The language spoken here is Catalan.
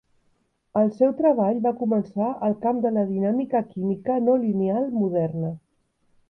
El seu treball va començar el camp de la dinàmica química no lineal moderna.